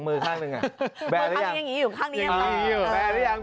มือข้างหนึ่งอ่ะแบร์แล้วยังอยู่ข้างนี้ยังอยู่แบร์แล้วยัง